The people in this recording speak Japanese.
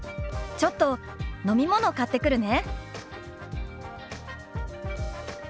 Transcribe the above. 「ちょっと飲み物買ってくるね」。